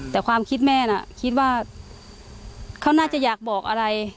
แต่ความคิดแม่น่ะคิดว่าเขาน่าจะอยากบอกอะไร